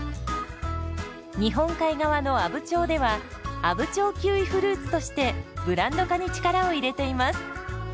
日本海側の阿武町では「阿武町キウイフルーツ」としてブランド化に力を入れています。